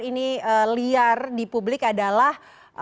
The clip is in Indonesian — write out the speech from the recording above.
ini liar di publik adalah